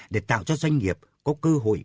để tạo cho doanh nghiệp có cơ hội